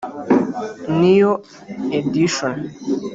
New Edition